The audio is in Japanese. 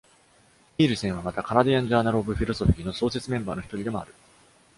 ニールセンはまた、「カナディアン・ジャーナル・オブ・フィロソフィー」の創設メンバーの一人でもある。